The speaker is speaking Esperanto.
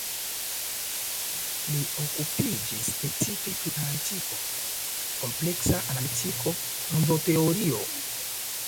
Li okupiĝis precipe pri analitiko, kompleksa analitiko, nombroteorio.